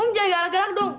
om jangan galak galak dong